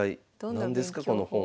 何ですかこの本は。